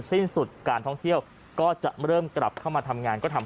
สิ้นสุดการท่องเที่ยวก็จะเริ่มกลับเข้ามาทำงานก็ทำ